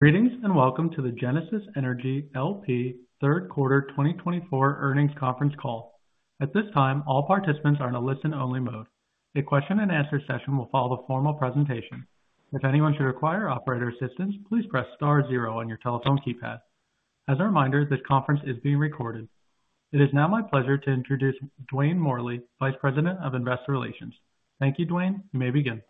Greetings and welcome to the Genesis Energy LP third quarter 2024 earnings conference call. At this time, all participants are in a listen-only mode. A question-and-answer session will follow the formal presentation. If anyone should require operator assistance, please press star zero on your telephone keypad. As a reminder, this conference is being recorded. It is now my pleasure to introduce Dwayne Morley, Vice President of Investor Relations. Thank you, Dwayne. You may begin.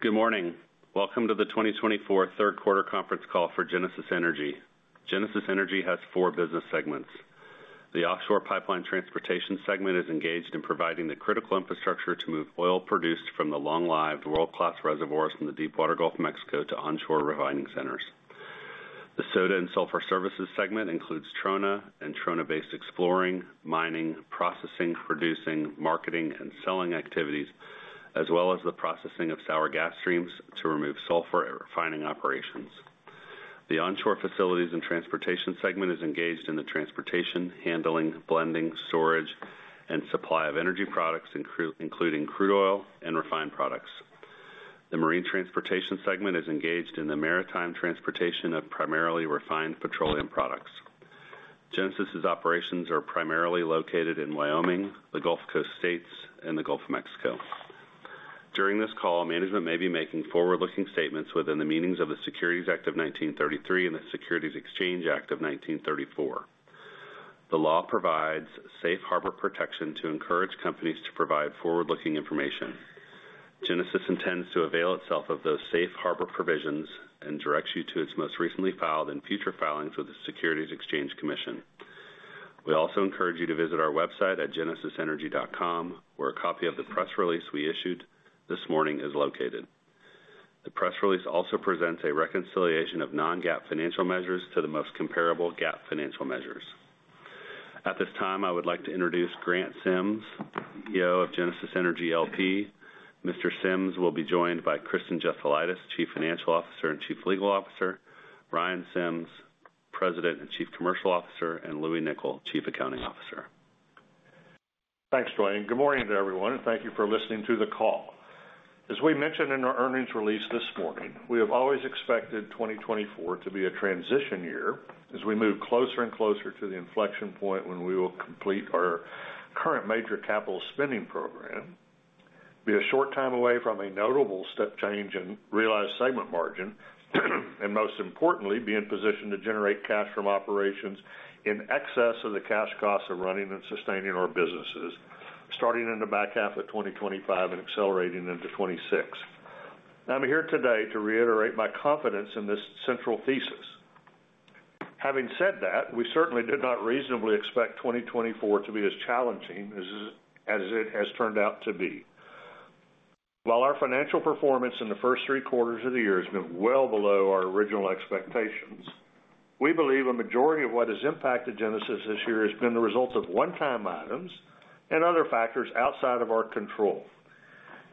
Good morning. Welcome to the 2024 third quarter conference call for Genesis Energy. Genesis Energy has four business segments. The offshore pipeline transportation segment is engaged in providing the critical infrastructure to move oil produced from the long-lived world-class reservoirs in the Deepwater Gulf of Mexico to onshore refining centers. The soda and sulfur services segment includes trona and trona-based exploration, mining, processing, producing, marketing, and selling activities, as well as the processing of sour gas streams to remove sulfur at refining operations. The onshore facilities and transportation segment is engaged in the transportation, handling, blending, storage, and supply of energy products, including crude oil and refined products. The marine transportation segment is engaged in the maritime transportation of primarily refined petroleum products. Genesis's operations are primarily located in Wyoming, the Gulf Coast states, and the Gulf of Mexico. During this call, management may be making forward-looking statements within the meanings of the Securities Act of 1933 and the Securities Exchange Act of 1934. The law provides safe harbor protection to encourage companies to provide forward-looking information. Genesis intends to avail itself of those safe harbor provisions and directs you to its most recently filed and future filings with the Securities and Exchange Commission. We also encourage you to visit our website at genesisenergy.com, where a copy of the press release we issued this morning is located. The press release also presents a reconciliation of non-GAAP financial measures to the most comparable GAAP financial measures. At this time, I would like to introduce Grant Sims, CEO of Genesis Energy LP. Mr. Sims will be joined by Kristen Jesulaitis, Chief Financial Officer and Chief Legal Officer, Ryan Sims, President and Chief Commercial Officer, and Louie Nickel, Chief Accounting Officer. Thanks, Dwayne. Good morning to everyone, and thank you for listening to the call. As we mentioned in our earnings release this morning, we have always expected 2024 to be a transition year as we move closer and closer to the inflection point when we will complete our current major capital spending program, be a short time away from a notable step change in realized segment margin, and most importantly, be in position to generate cash from operations in excess of the cash costs of running and sustaining our businesses, starting in the back half of 2025 and accelerating into 2026. I'm here today to reiterate my confidence in this central thesis. Having said that, we certainly did not reasonably expect 2024 to be as challenging as it has turned out to be. While our financial performance in the first three quarters of the year has been well below our original expectations, we believe a majority of what has impacted Genesis this year has been the result of one-time items and other factors outside of our control.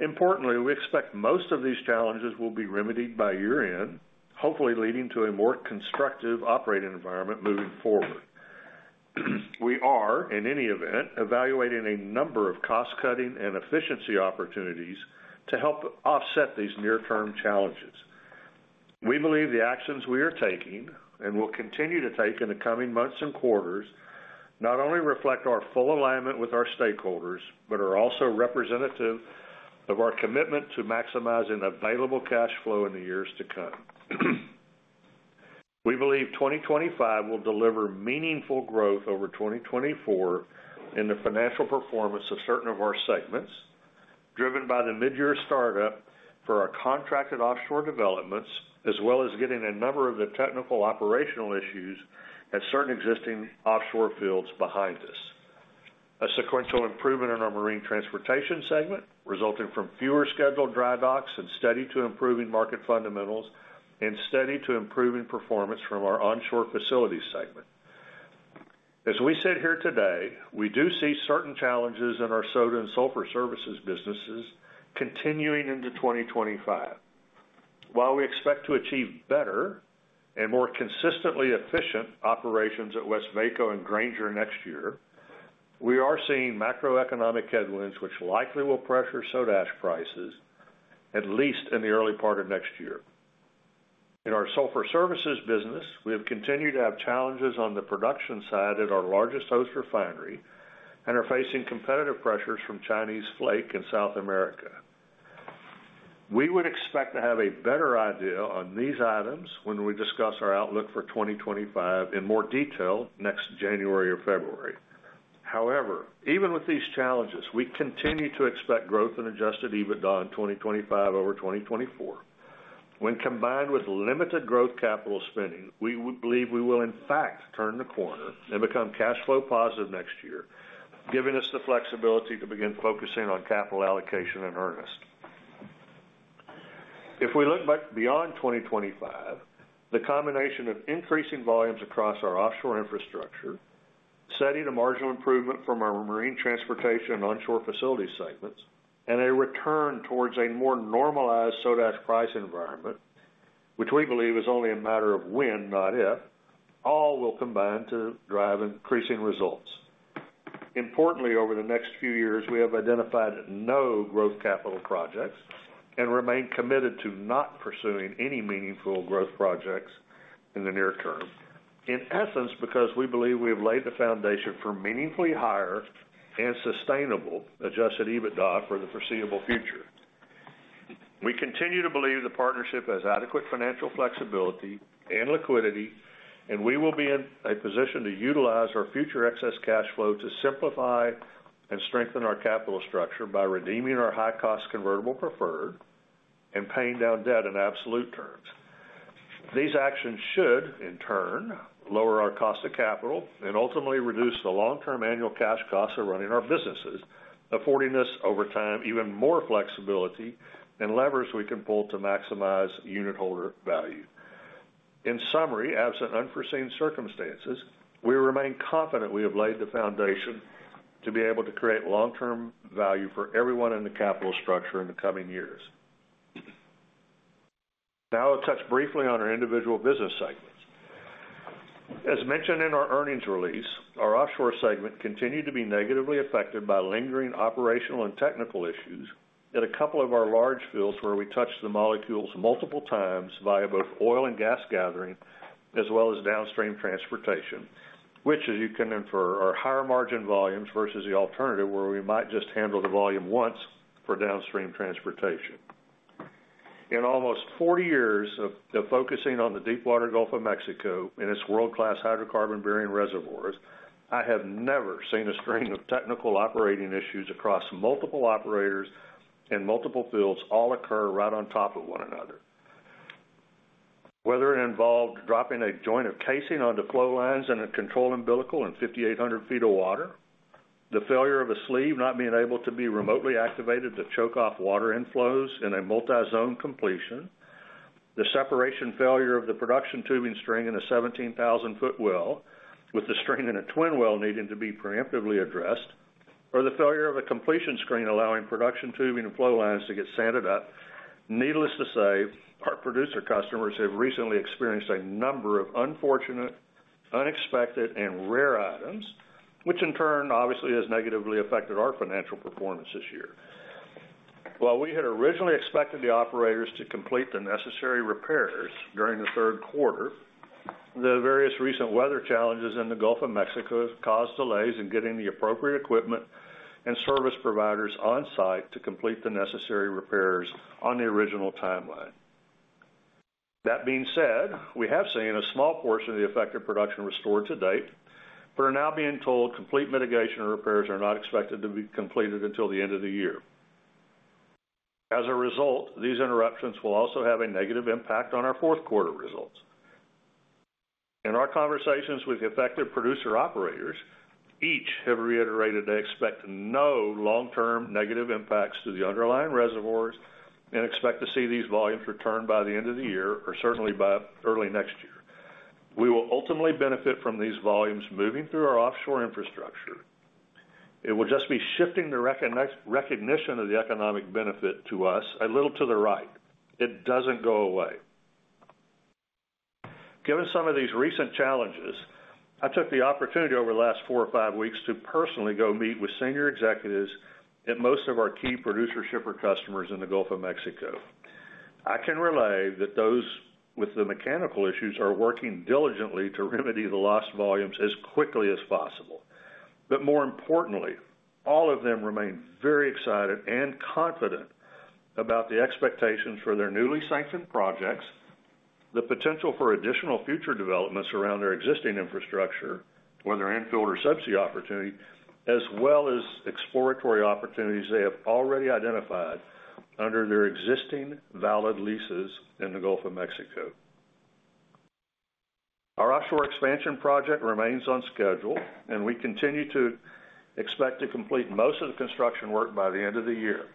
Importantly, we expect most of these challenges will be remedied by year-end, hopefully leading to a more constructive operating environment moving forward. We are, in any event, evaluating a number of cost-cutting and efficiency opportunities to help offset these near-term challenges. We believe the actions we are taking and will continue to take in the coming months and quarters not only reflect our full alignment with our stakeholders but are also representative of our commitment to maximizing available cash flow in the years to come. We believe 2025 will deliver meaningful growth over 2024 in the financial performance of certain of our segments, driven by the mid-year startup for our contracted offshore developments, as well as getting a number of the technical operational issues at certain existing offshore fields behind us. A sequential improvement in our marine transportation segment resulting from fewer scheduled dry docks and steady to improving market fundamentals and steady to improving performance from our onshore facilities segment. As we sit here today, we do see certain challenges in our soda and sulfur services businesses continuing into 2025. While we expect to achieve better and more consistently efficient operations at Westvaco and Granger next year, we are seeing macroeconomic headwinds which likely will pressure soda ash prices, at least in the early part of next year. In our sulfur services business, we have continued to have challenges on the production side at our largest host refinery and are facing competitive pressures from Chinese flake in South America. We would expect to have a better idea on these items when we discuss our outlook for 2025 in more detail next January or February. However, even with these challenges, we continue to expect growth and Adjusted EBITDA in 2025 over 2024. When combined with limited growth capital spending, we believe we will, in fact, turn the corner and become cash flow positive next year, giving us the flexibility to begin focusing on capital allocation and earnest. If we look beyond 2025, the combination of increasing volumes across our offshore infrastructure, steady to marginal improvement from our marine transportation and onshore facilities segments, and a return towards a more normalized soda ash price environment, which we believe is only a matter of when, not if, all will combine to drive increasing results. Importantly, over the next few years, we have identified no growth capital projects and remain committed to not pursuing any meaningful growth projects in the near term, in essence because we believe we have laid the foundation for meaningfully higher and sustainable Adjusted EBITDA for the foreseeable future. We continue to believe the partnership has adequate financial flexibility and liquidity, and we will be in a position to utilize our future excess cash flow to simplify and strengthen our capital structure by redeeming our high-cost convertible preferred and paying down debt in absolute terms. These actions should, in turn, lower our cost of capital and ultimately reduce the long-term annual cash costs of running our businesses, affording us over time even more flexibility and levers we can pull to maximize unit holder value. In summary, absent unforeseen circumstances, we remain confident we have laid the foundation to be able to create long-term value for everyone in the capital structure in the coming years. Now I'll touch briefly on our individual business segments. As mentioned in our earnings release, our offshore segment continued to be negatively affected by lingering operational and technical issues at a couple of our large fields where we touched the molecules multiple times via both oil and gas gathering, as well as downstream transportation, which, as you can infer, are higher margin volumes versus the alternative where we might just handle the volume once for downstream transportation. In almost 40 years of focusing on the Deepwater Gulf of Mexico and its world-class hydrocarbon-bearing reservoirs, I have never seen a string of technical operating issues across multiple operators and multiple fields all occur right on top of one another. Whether it involved dropping a joint of casing onto flow lines in a control umbilical in 5,800 feet of water, the failure of a sleeve not being able to be remotely activated to choke off water inflows in a multi-zone completion, the separation failure of the production tubing string in a 17,000-foot well with the string in a twin well needing to be preemptively addressed, or the failure of a completion screen allowing production tubing and flow lines to get sanded up, needless to say, our producer customers have recently experienced a number of unfortunate, unexpected, and rare items, which in turn obviously has negatively affected our financial performance this year. While we had originally expected the operators to complete the necessary repairs during the third quarter, the various recent weather challenges in the Gulf of Mexico have caused delays in getting the appropriate equipment and service providers on site to complete the necessary repairs on the original timeline. That being said, we have seen a small portion of the affected production restored to date, but are now being told complete mitigation repairs are not expected to be completed until the end of the year. As a result, these interruptions will also have a negative impact on our fourth quarter results. In our conversations with the affected producer operators, each have reiterated they expect no long-term negative impacts to the underlying reservoirs and expect to see these volumes returned by the end of the year or certainly by early next year. We will ultimately benefit from these volumes moving through our offshore infrastructure. It will just be shifting the recognition of the economic benefit to us a little to the right. It doesn't go away. Given some of these recent challenges, I took the opportunity over the last four or five weeks to personally go meet with senior executives at most of our key producer shipper customers in the Gulf of Mexico. I can relay that those with the mechanical issues are working diligently to remedy the lost volumes as quickly as possible. But more importantly, all of them remain very excited and confident about the expectations for their newly sanctioned projects, the potential for additional future developments around their existing infrastructure, whether infill or subsea opportunity, as well as exploratory opportunities they have already identified under their existing valid leases in the Gulf of Mexico. Our offshore expansion project remains on schedule, and we continue to expect to complete most of the construction work by the end of the year.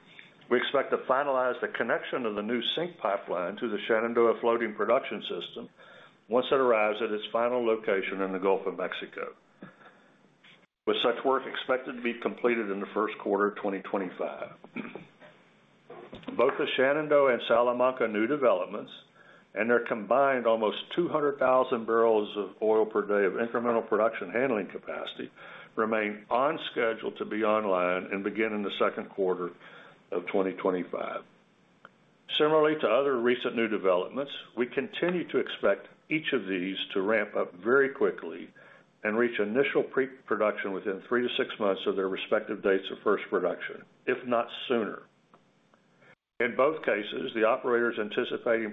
We expect to finalize the connection of the new SYNC pipeline to the Shenandoah floating production system once it arrives at its final location in the Gulf of Mexico, with such work expected to be completed in the first quarter of 2025. Both the Shenandoah and Salamanca new developments, and their combined almost 200,000 barrels of oil per day of incremental production handling capacity, remain on schedule to be online and begin in the second quarter of 2025. Similarly to other recent new developments, we continue to expect each of these to ramp up very quickly and reach initial pre-production within three to six months of their respective dates of first production, if not sooner. In both cases, the operators anticipate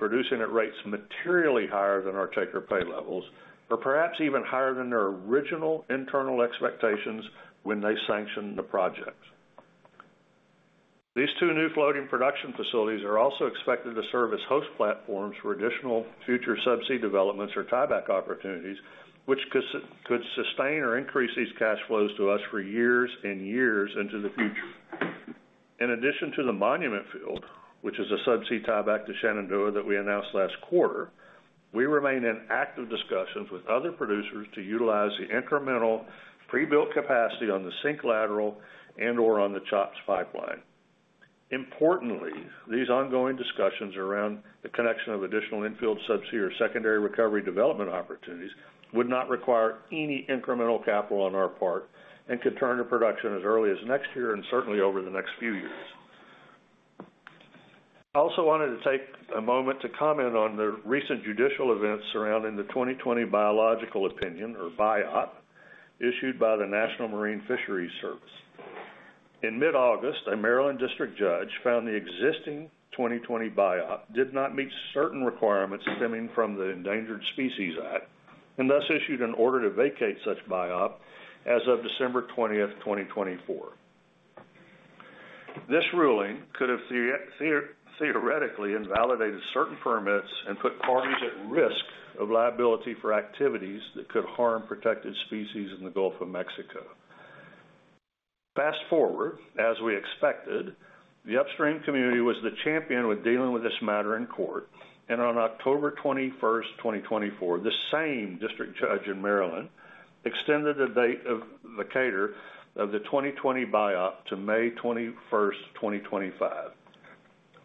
producing at rates materially higher than our take-or-pay levels, or perhaps even higher than their original internal expectations when they sanctioned the projects. These two new floating production facilities are also expected to serve as host platforms for additional future subsea developments or tieback opportunities, which could sustain or increase these cash flows to us for years and years into the future. In addition to the Monument Field, which is a subsea tieback to Shenandoah that we announced last quarter, we remain in active discussions with other producers to utilize the incremental pre-built capacity on the SYNC lateral and/or on the CHOPS pipeline. Importantly, these ongoing discussions around the connection of additional infield subsea or secondary recovery development opportunities would not require any incremental capital on our part and could turn to production as early as next year and certainly over the next few years. I also wanted to take a moment to comment on the recent judicial events surrounding the 2020 Biological Opinion, or BiOp, issued by the National Marine Fisheries Service. In mid-August, a Maryland district judge found the existing 2020 BiOp did not meet certain requirements stemming from the Endangered Species Act and thus issued an order to vacate such BiOp as of December 20th, 2024. This ruling could have theoretically invalidated certain permits and put parties at risk of liability for activities that could harm protected species in the Gulf of Mexico. Fast forward, as we expected, the upstream community was the champion with dealing with this matter in court, and on October 21st, 2024, the same district judge in Maryland extended the date of vacatur of the 2020 BiOp to May 21st, 2025.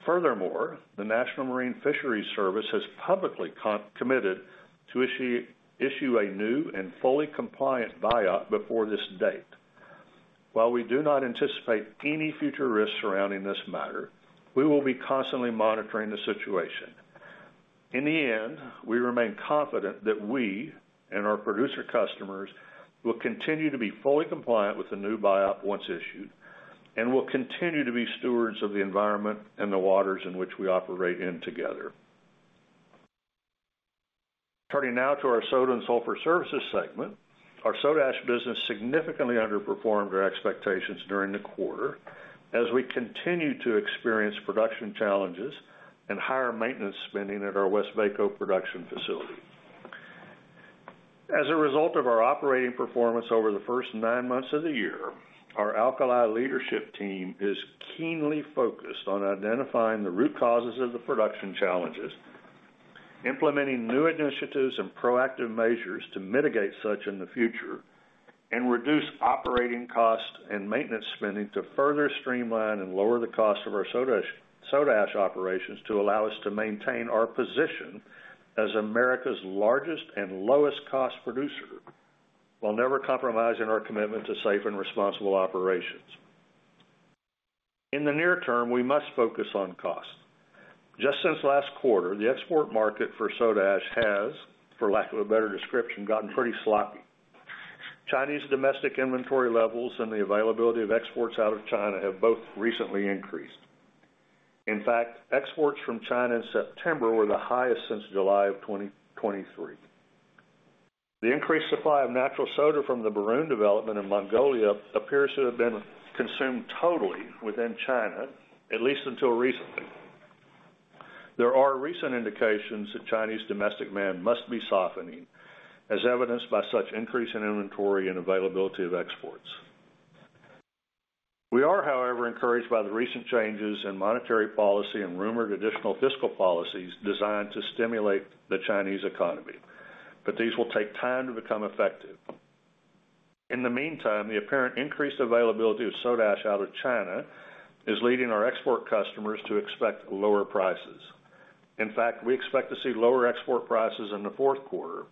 Furthermore, the National Marine Fisheries Service has publicly committed to issue a new and fully compliant BiOp before this date. While we do not anticipate any future risks surrounding this matter, we will be constantly monitoring the situation. In the end, we remain confident that we and our producer customers will continue to be fully compliant with the new BiOp once issued and will continue to be stewards of the environment and the waters in which we operate in together. Turning now to our soda and sulfur services segment, our soda ash business significantly underperformed our expectations during the quarter as we continue to experience production challenges and higher maintenance spending at our Westvaco production facility. As a result of our operating performance over the first nine months of the year, our Alkali leadership team is keenly focused on identifying the root causes of the production challenges, implementing new initiatives and proactive measures to mitigate such in the future, and reduce operating cost and maintenance spending to further streamline and lower the cost of our soda ash operations to allow us to maintain our position as America's largest and lowest cost producer while never compromising our commitment to safe and responsible operations. In the near term, we must focus on costs. Just since last quarter, the export market for soda ash has, for lack of a better description, gotten pretty sloppy. Chinese domestic inventory levels and the availability of exports out of China have both recently increased. In fact, exports from China in September were the highest since July of 2023. The increased supply of natural soda from the Berun development in Mongolia appears to have been consumed totally within China, at least until recently. There are recent indications that Chinese domestic demand must be softening, as evidenced by such increase in inventory and availability of exports. We are, however, encouraged by the recent changes in monetary policy and rumored additional fiscal policies designed to stimulate the Chinese economy, but these will take time to become effective. In the meantime, the apparent increased availability of soda ash out of China is leading our export customers to expect lower prices. In fact, we expect to see lower export prices in the fourth quarter,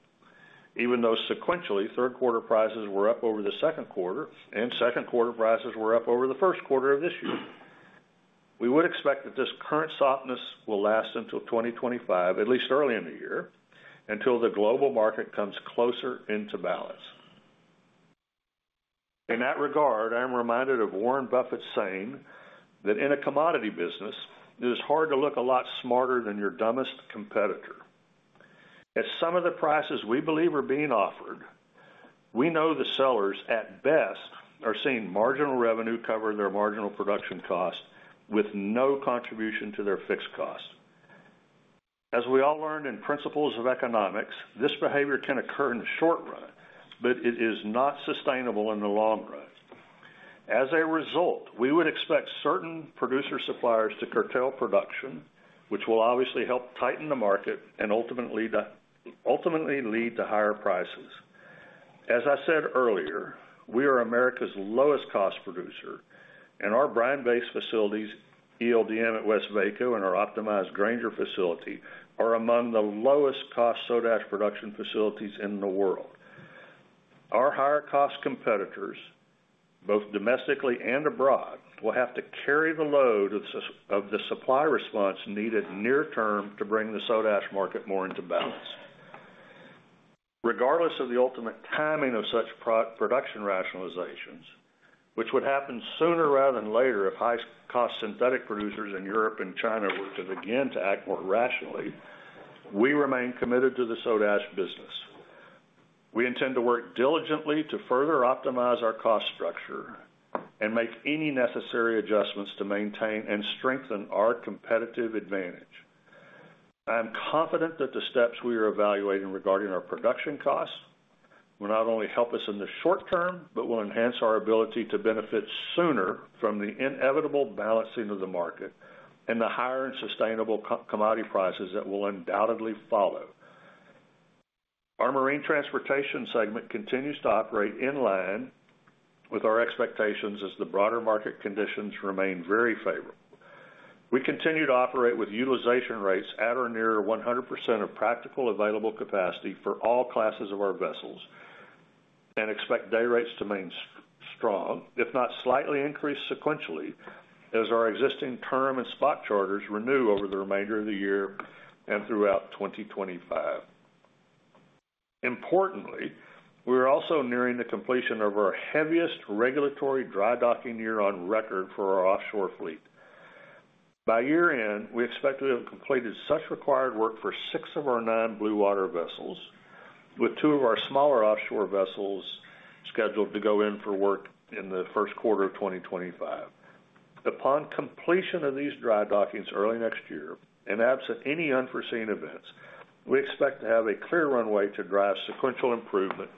even though sequentially third quarter prices were up over the second quarter and second quarter prices were up over the first quarter of this year. We would expect that this current softness will last until 2025, at least early in the year, until the global market comes closer into balance. In that regard, I am reminded of Warren Buffett saying that in a commodity business, it is hard to look a lot smarter than your dumbest competitor. As some of the prices we believe are being offered, we know the sellers at best are seeing marginal revenue cover their marginal production cost with no contribution to their fixed cost. As we all learned in principles of economics, this behavior can occur in the short run, but it is not sustainable in the long run. As a result, we would expect certain producer suppliers to curtail production, which will obviously help tighten the market and ultimately lead to higher prices. As I said earlier, we are America's lowest cost producer, and our brine-based facilities, ELDM at Westvaco and our optimized Granger facility, are among the lowest cost soda ash production facilities in the world. Our higher cost competitors, both domestically and abroad, will have to carry the load of the supply response needed near term to bring the soda ash market more into balance. Regardless of the ultimate timing of such production rationalizations, which would happen sooner rather than later if high-cost synthetic producers in Europe and China were to begin to act more rationally, we remain committed to the soda ash business. We intend to work diligently to further optimize our cost structure and make any necessary adjustments to maintain and strengthen our competitive advantage. I am confident that the steps we are evaluating regarding our production costs will not only help us in the short term, but will enhance our ability to benefit sooner from the inevitable balancing of the market and the higher and sustainable commodity prices that will undoubtedly follow. Our marine transportation segment continues to operate in line with our expectations as the broader market conditions remain very favorable. We continue to operate with utilization rates at or near 100% of practical available capacity for all classes of our vessels and expect day rates to remain strong, if not slightly increased sequentially, as our existing term and spot charters renew over the remainder of the year and throughout 2025. Importantly, we are also nearing the completion of our heaviest regulatory dry docking year on record for our offshore fleet. By year-end, we expect to have completed such required work for six of our nine blue water vessels, with two of our smaller offshore vessels scheduled to go in for work in the first quarter of 2025. Upon completion of these dry dockings early next year, in absence of any unforeseen events, we expect to have a clear runway to drive sequential improvement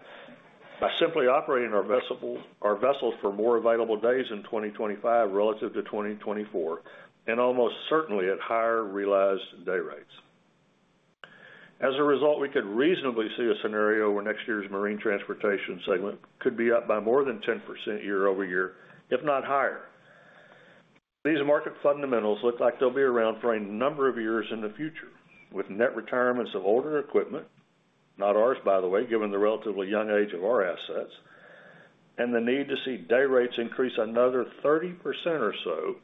by simply operating our vessels for more available days in 2025 relative to 2024, and almost certainly at higher realized day rates. As a result, we could reasonably see a scenario where next year's marine transportation segment could be up by more than 10% year over year, if not higher. These market fundamentals look like they'll be around for a number of years in the future, with net retirements of older equipment, not ours, by the way, given the relatively young age of our assets, and the need to see day rates increase another 30% or so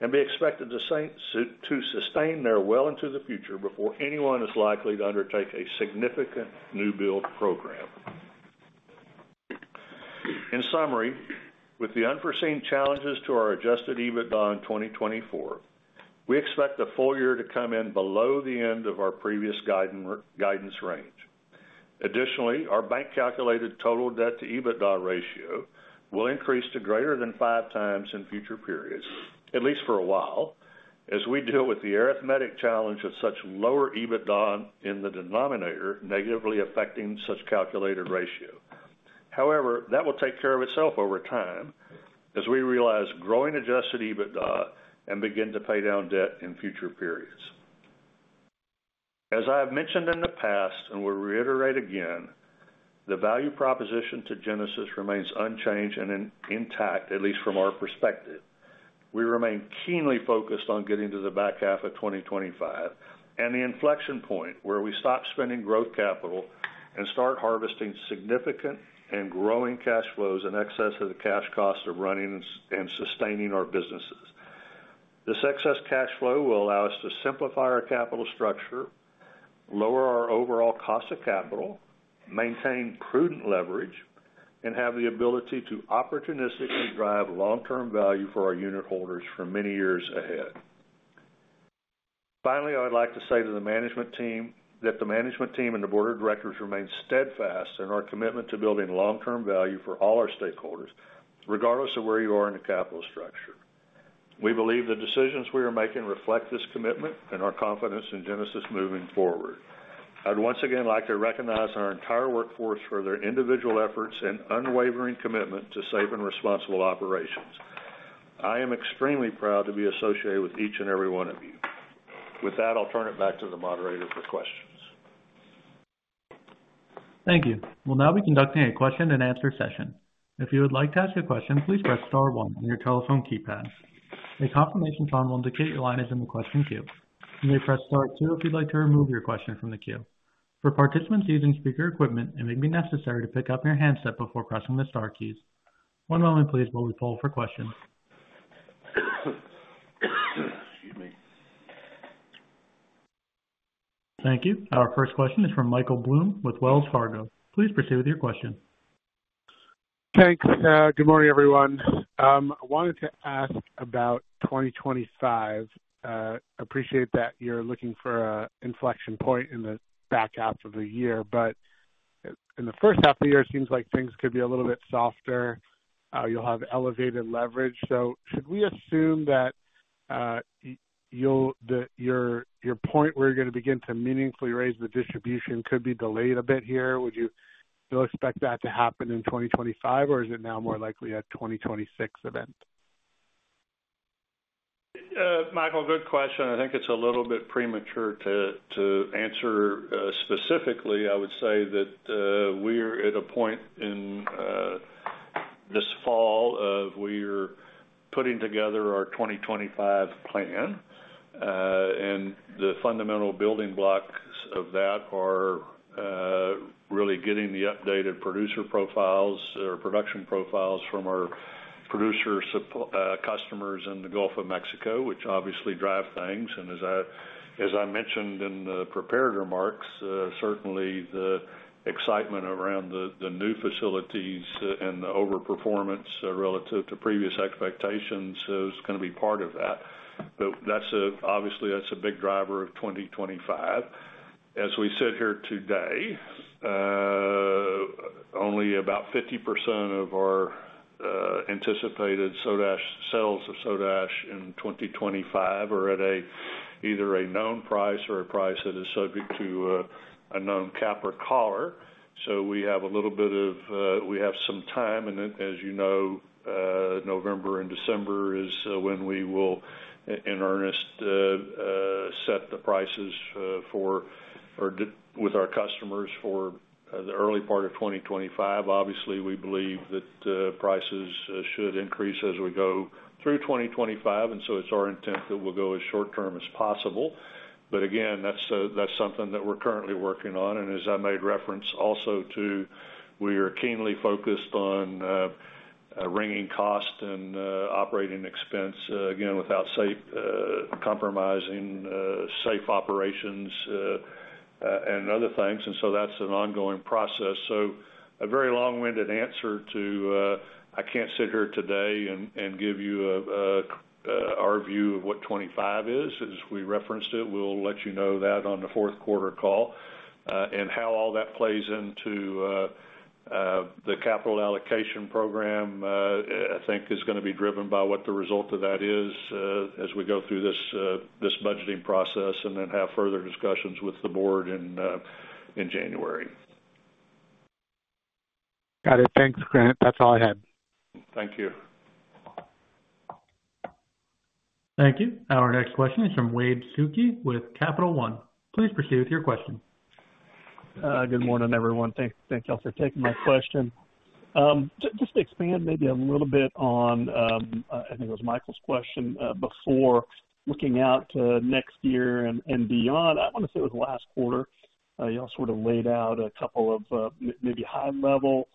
and be expected to sustain their well into the future before anyone is likely to undertake a significant new build program. In summary, with the unforeseen challenges to our Adjusted EBITDA in 2024, we expect the full year to come in below the end of our previous guidance range. Additionally, our bank-calculated total debt-to-EBITDA ratio will increase to greater than five times in future periods, at least for a while, as we deal with the arithmetic challenge of such lower EBITDA in the denominator negatively affecting such calculated ratio. However, that will take care of itself over time as we realize growing Adjusted EBITDA and begin to pay down debt in future periods. As I have mentioned in the past, and will reiterate again, the value proposition to Genesis remains unchanged and intact, at least from our perspective. We remain keenly focused on getting to the back half of 2025 and the inflection point where we stop spending growth capital and start harvesting significant and growing cash flows in excess of the cash cost of running and sustaining our businesses. This excess cash flow will allow us to simplify our capital structure, lower our overall cost of capital, maintain prudent leverage, and have the ability to opportunistically drive long-term value for our unit holders for many years ahead. Finally, I would like to say to the management team that the management team and the board of directors remain steadfast in our commitment to building long-term value for all our stakeholders, regardless of where you are in the capital structure. We believe the decisions we are making reflect this commitment and our confidence in Genesis moving forward. I'd once again like to recognize our entire workforce for their individual efforts and unwavering commitment to safe and responsible operations. I am extremely proud to be associated with each and every one of you. With that, I'll turn it back to the moderator for questions. Thank you. We'll now be conducting a question-and-answer session. If you would like to ask a question, please press Star 1 on your telephone keypad. A confirmation tone will indicate your line is in the question queue. You may press Star 2 if you'd like to remove your question from the queue. For participants using speaker equipment, it may be necessary to pick up your handset before pressing the Star keys. One moment, please, while we poll for questions. Thank you. Our first question is from Michael Bloom with Wells Fargo. Please proceed with your question. Thanks. Good morning, everyone. I wanted to ask about 2025. I appreciate that you're looking for an inflection point in the back half of the year, but in the first half of the year, it seems like things could be a little bit softer. You'll have elevated leverage. So should we assume that your point where you're going to begin to meaningfully raise the distribution could be delayed a bit here? Would you still expect that to happen in 2025, or is it now more likely a 2026 event? Michael, good question. I think it's a little bit premature to answer specifically. I would say that we're at a point in this fall where we're putting together our 2025 plan, and the fundamental building blocks of that are really getting the updated producer profiles or production profiles from our producer customers in the Gulf of Mexico, which obviously drive things, and as I mentioned in the prepared remarks, certainly the excitement around the new facilities and the overperformance relative to previous expectations is going to be part of that, but obviously, that's a big driver of 2025. As we sit here today, only about 50% of our anticipated sales of soda ash in 2025 are at either a known price or a price that is subject to a known cap or collar. So we have a little bit of time, and as you know, November and December is when we will in earnest set the prices with our customers for the early part of 2025. Obviously, we believe that prices should increase as we go through 2025, and so it's our intent that we'll go as short-term as possible. But again, that's something that we're currently working on. And as I made reference also to, we are keenly focused on wringing costs and operating expenses, again, without compromising safe operations and other things. And so that's an ongoing process. It is a very long-winded answer to, "I can't sit here today and give you our view of what '25 is," as we referenced it. We'll let you know that on the fourth quarter call. How all that plays into the capital allocation program, I think, is going to be driven by what the result of that is as we go through this budgeting process and then have further discussions with the board in January. Got it. Thanks, Grant. That's all I had. Thank you. Thank you. Our next question is from Wade Suki with Capital One. Please proceed with your question. Good morning, everyone. Thank y'all for taking my question. Just to expand maybe a little bit on, I think it was Michael's question before looking out to next year and beyond, I want to say it was last quarter, y'all sort of laid out a couple of maybe high-level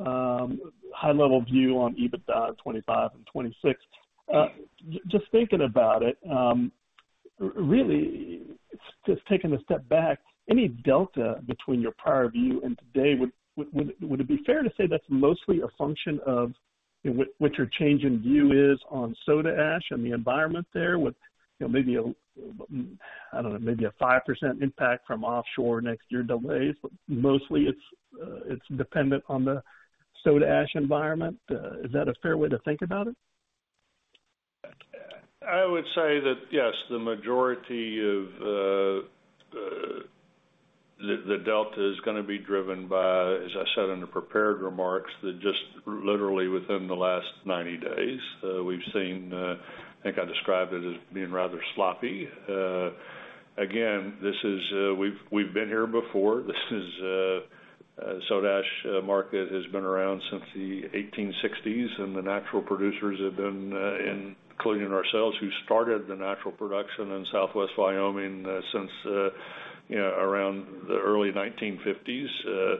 view on EBITDA 2025 and 2026. Just thinking about it, really, just taking a step back, any delta between your prior view and today, would it be fair to say that's mostly a function of what your change in view is on soda ash and the environment there with maybe, I don't know, maybe a 5% impact from offshore next year delays, but mostly it's dependent on the soda ash environment? Is that a fair way to think about it? I would say that, yes, the majority of the delta is going to be driven by, as I said in the prepared remarks, that just literally within the last 90 days, we've seen, I think I described it as being rather sloppy. Again, we've been here before. This soda ash market has been around since the 1860s, and the natural producers have been, including ourselves, who started the natural production in Southwest Wyoming since around the early 1950s.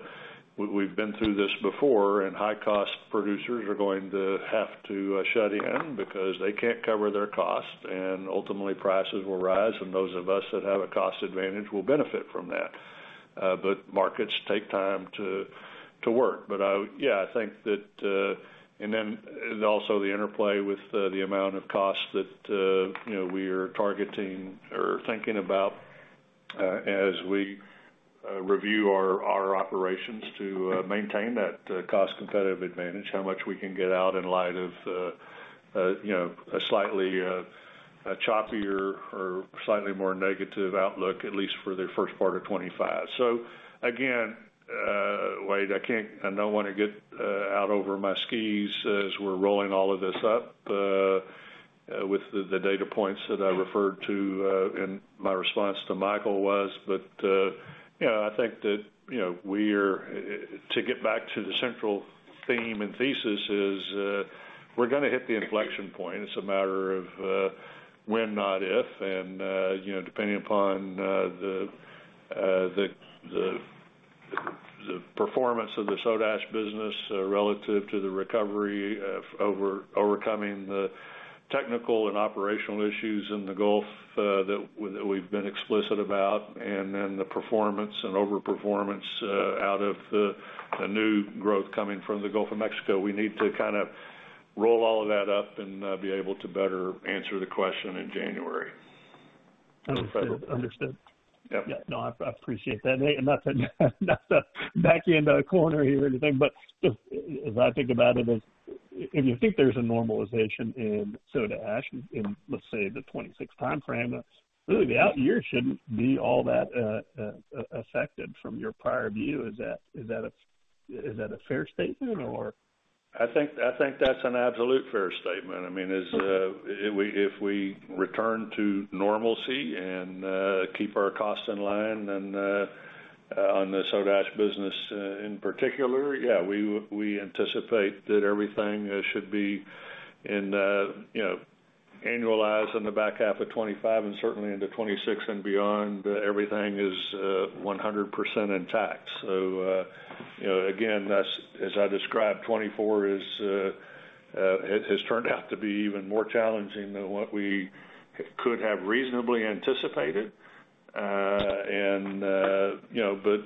We've been through this before, and high-cost producers are going to have to shut in because they can't cover their cost, and ultimately prices will rise, and those of us that have a cost advantage will benefit from that. But markets take time to work. But yeah, I think that, and then also the interplay with the amount of cost that we are targeting or thinking about as we review our operations to maintain that cost competitive advantage, how much we can get out in light of a slightly choppier or slightly more negative outlook, at least for the first part of 2025. So again, Wade, I don't want to get out over my skis as we're rolling all of this up with the data points that I referred to in my response to Michael was, but I think that we are, to get back to the central theme and thesis, is we're going to hit the inflection point. It's a matter of when, not if, and depending upon the performance of the soda ash business relative to the recovery of overcoming the technical and operational issues in the Gulf that we've been explicit about, and then the performance and overperformance out of the new growth coming from the Gulf of Mexico. We need to kind of roll all of that up and be able to better answer the question in January. Understood. Yeah. No, I appreciate that. Not to back you into a corner here or anything, but as I think about it, if you think there's a normalization in soda ash in, let's say, the 2026 timeframe, really the out year shouldn't be all that affected from your prior view. Is that a fair statement, or? I think that's an absolute fair statement. I mean, if we return to normalcy and keep our costs in line on the soda ash business in particular, yeah, we anticipate that everything should be annualized in the back half of 2025, and certainly into 2026 and beyond, everything is 100% intact. So again, as I described, 2024 has turned out to be even more challenging than what we could have reasonably anticipated, and but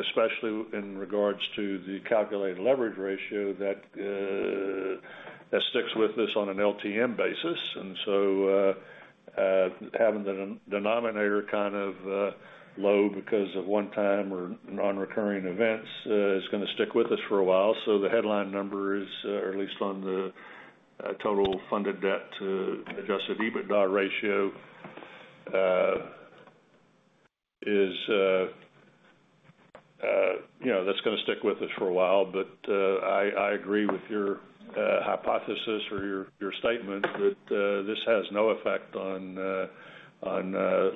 especially in regards to the calculated leverage ratio that sticks with us on an LTM basis. And so having the denominator kind of low because of one-time or non-recurring events is going to stick with us for a while. So the headline number is, or at least on the total funded debt-adjusted EBITDA ratio, that's going to stick with us for a while. But I agree with your hypothesis or your statement that this has no effect on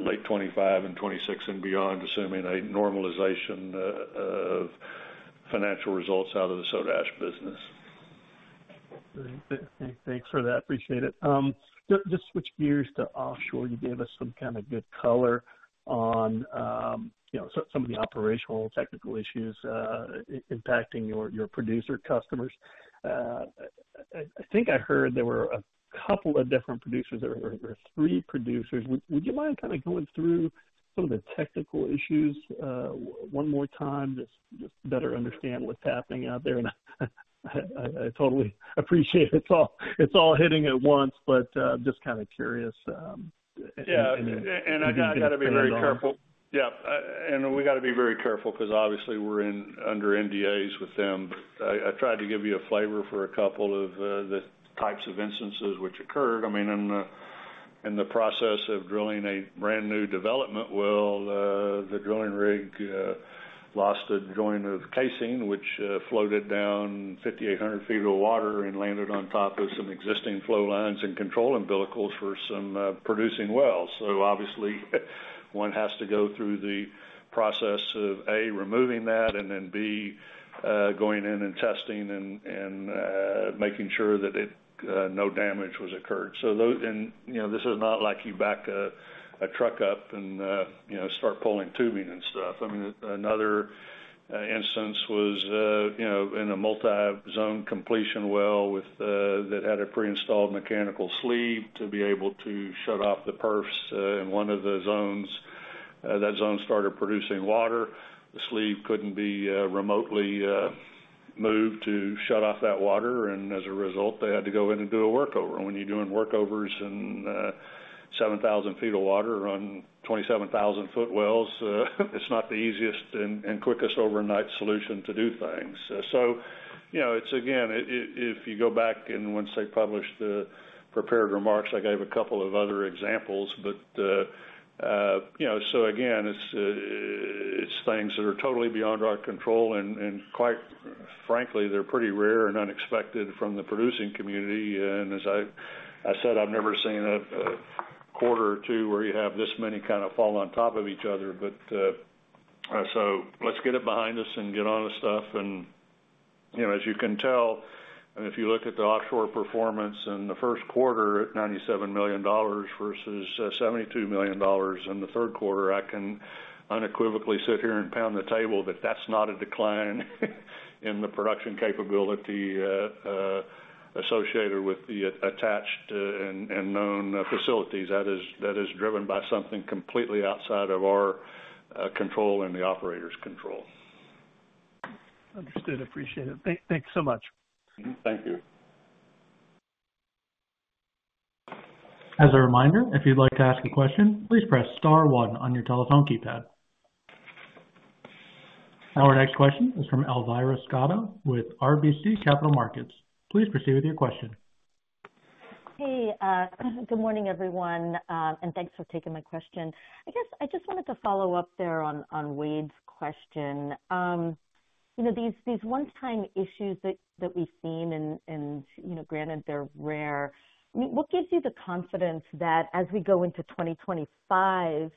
late 2025 and 2026 and beyond, assuming a normalization of financial results out of the soda ash business. Thanks for that. Appreciate it. Just switch gears to offshore. You gave us some kind of good color on some of the operational technical issues impacting your producer customers. I think I heard there were a couple of different producers or three producers. Would you mind kind of going through some of the technical issues one more time to just better understand what's happening out there? And I totally appreciate it. It's all hitting at once, but just kind of curious. Yeah. And I got to be very careful. Yeah. And we got to be very careful because obviously we're under NDAs with them. But I tried to give you a flavor for a couple of the types of instances which occurred. I mean, in the process of drilling a brand new development well, the drilling rig lost a joint of casing, which floated down 5,800 feet of water and landed on top of some existing flow lines and control umbilicals for some producing wells. So obviously, one has to go through the process of, A, removing that, and then B, going in and testing and making sure that no damage was occurred. And this is not like you back a truck up and start pulling tubing and stuff. I mean, another instance was in a multi-zone completion well that had a pre-installed mechanical sleeve to be able to shut off the perfs in one of the zones. That zone started producing water. The sleeve couldn't be remotely moved to shut off that water. And as a result, they had to go in and do a workover. And when you're doing workovers in 7,000 feet of water on 27,000-foot wells, it's not the easiest and quickest overnight solution to do things. So it's, again, if you go back and once they published the prepared remarks, I gave a couple of other examples. But so again, it's things that are totally beyond our control. And quite frankly, they're pretty rare and unexpected from the producing community. And as I said, I've never seen a quarter or two where you have this many kind of fall on top of each other. But so let's get it behind us and get on with stuff. And as you can tell, if you look at the offshore performance in the first quarter at $97 million versus $72 million in the third quarter, I can unequivocally sit here and pound the table that that's not a decline in the production capability associated with the attached and known facilities. That is driven by something completely outside of our control and the operator's control. Understood. Appreciate it. Thanks so much. Thank you. As a reminder, if you'd like to ask a question, please press star one on your telephone keypad. Our next question is from Elvira Scotto with RBC Capital Markets. Please proceed with your question. Hey, good morning, everyone. And thanks for taking my question. I guess I just wanted to follow up there on Wade's question. These one-time issues that we've seen, and granted, they're rare. What gives you the confidence that as we go into 2025,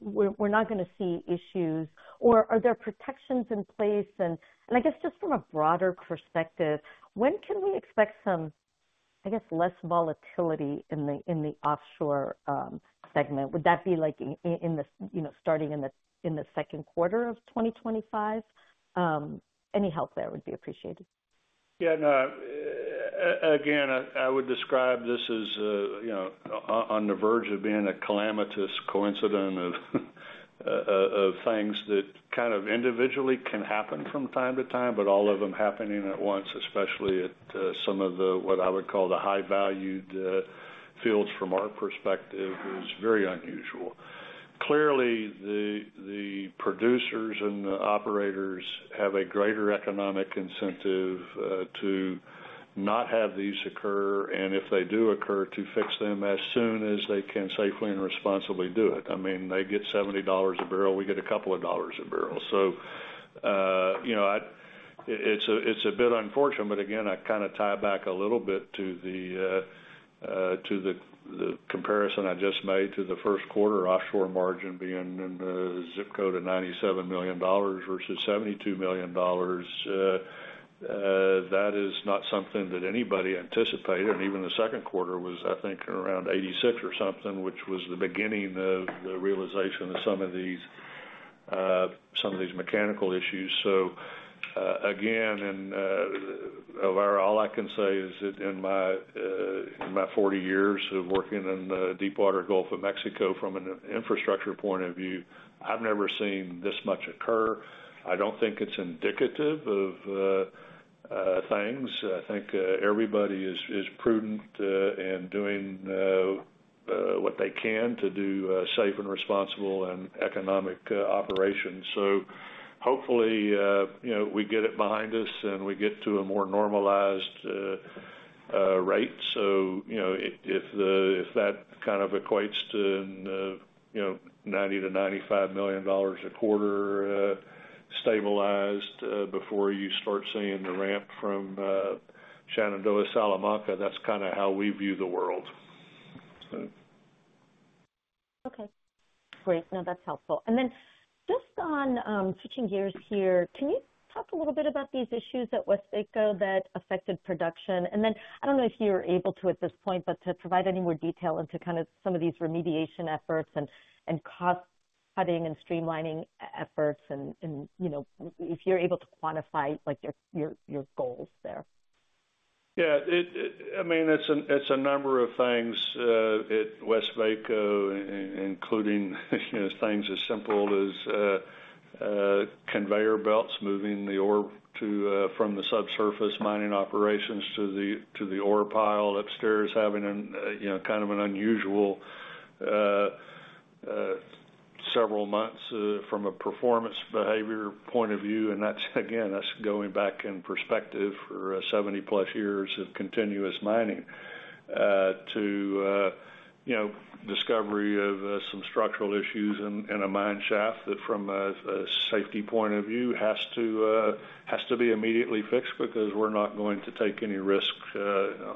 we're not going to see issues, or are there protections in place? And I guess just from a broader perspective, when can we expect some, I guess, less volatility in the offshore segment? Would that be starting in the second quarter of 2025? Any help there would be appreciated. Yeah. Again, I would describe this as on the verge of being a calamitous coincidence of things that kind of individually can happen from time to time, but all of them happening at once, especially at some of the what I would call the high-valued fields from our perspective is very unusual. Clearly, the producers and the operators have a greater economic incentive to not have these occur, and if they do occur, to fix them as soon as they can safely and responsibly do it. I mean, they get $70 a barrel. We get a couple of dollars a barrel. So it's a bit unfortunate, but again, I kind of tie back a little bit to the comparison I just made to the first quarter offshore margin being in the zip code of $97 million versus $72 million. That is not something that anybody anticipated, and even the second quarter was, I think, around $86 million or something, which was the beginning of the realization of some of these mechanical issues. So again, Elvira, all I can say is that in my 40 years of working in the Deepwater Gulf of Mexico from an infrastructure point of view, I've never seen this much occur. I don't think it's indicative of things. I think everybody is prudent in doing what they can to do safe and responsible and economic operations. So hopefully, we get it behind us and we get to a more normalized rate. So if that kind of equates to $90-$95 million a quarter stabilized before you start seeing the ramp from Shenandoah and Salamanca, that's kind of how we view the world. Okay. Great. No, that's helpful. And then just on switching gears here, can you talk a little bit about these issues at Westvaco that affected production? And then I don't know if you're able to at this point, but to provide any more detail into kind of some of these remediation efforts and cost-cutting and streamlining efforts, and if you're able to quantify your goals there? Yeah. I mean, it's a number of things at Westvaco, including things as simple as conveyor belts moving the ore from the subsurface mining operations to the ore pile upstairs, having kind of an unusual several months from a performance behaviour point of view. And again, that's going back in perspective for 70-plus years of continuous mining to discovery of some structural issues in a mine shaft that from a safety point of view has to be immediately fixed because we're not going to take any risk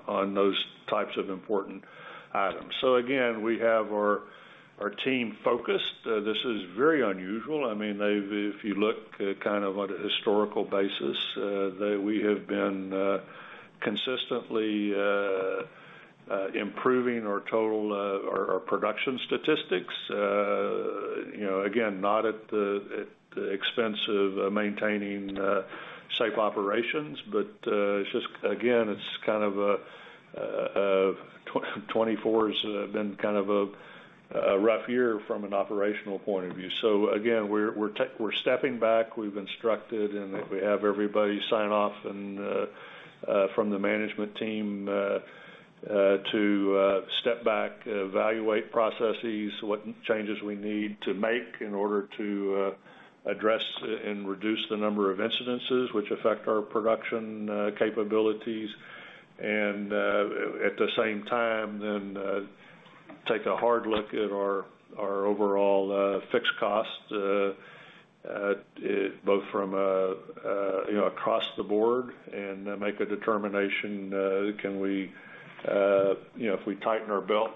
on those types of important items. So again, we have our team focused. This is very unusual. I mean, if you look kind of on a historical basis, we have been consistently improving our production statistics. Again, not at the expense of maintaining safe operations, but again, it's kind of 2024 has been kind of a rough year from an operational point of view, so again, we're stepping back. We've instructed and we have everybody sign off from the management team to step back, evaluate processes, what changes we need to make in order to address and reduce the number of incidents which affect our production capabilities. And at the same time, then take a hard look at our overall fixed cost, both from across the board, and make a determination: Can we, if we tighten our belt,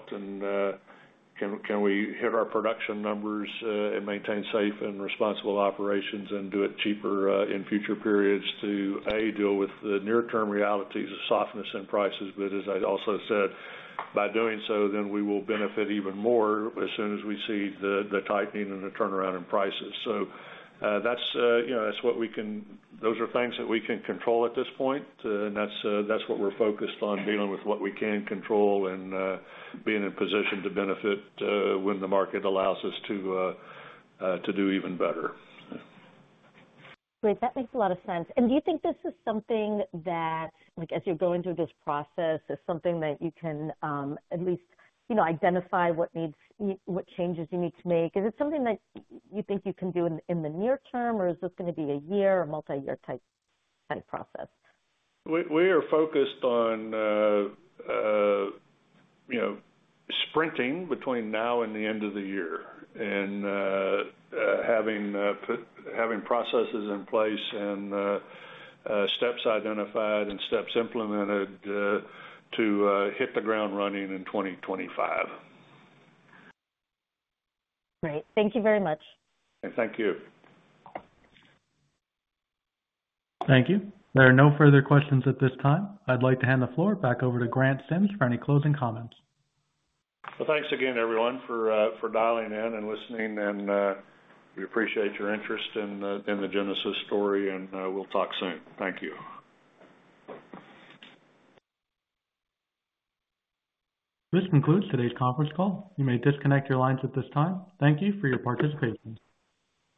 hit our production numbers and maintain safe and responsible operations and do it cheaper in future periods to, A, deal with the near-term realities of softness in prices? But as I also said, by doing so, then we will benefit even more as soon as we see the tightening and the turnaround in prices. So that's what we can. Those are things that we can control at this point. And that's what we're focused on, dealing with what we can control and being in position to benefit when the market allows us to do even better. Great. That makes a lot of sense. And do you think this is something that, as you're going through this process, is something that you can at least identify what changes you need to make? Is it something that you think you can do in the near term, or is this going to be a year or multi-year type process? We are focused on sprinting between now and the end of the year and having processes in place and steps identified and steps implemented to hit the ground running in 2025. Great. Thank you very much. Thank you. Thank you. There are no further questions at this time. I'd like to hand the floor back over to Grant Sims for any closing comments. Well, thanks again, everyone, for dialing in and listening. And we appreciate your interest in the Genesis story, and we'll talk soon. Thank you. This concludes today's conference call. You may disconnect your lines at this time. Thank you for your participation.